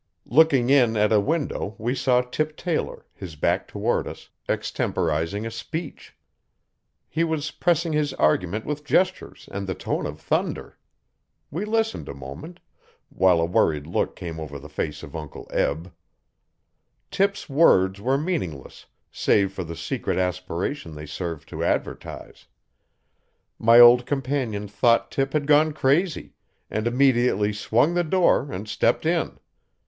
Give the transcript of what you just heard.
Looking in at a window we saw Tip Taylor, his back toward us, extemporising a speech. He was pressing his argument with gestures and the tone of thunder. We listened a moment, while a worried look came over the face of Uncle Eb. Tip's words were meaningless save for the secret aspiration they served to advertise. My old companion thought Tip had gone crazy, and immediately swung the door and stepped in.